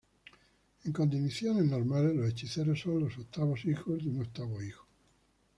En condiciones normales los hechiceros son los octavos hijos de un octavo hijo.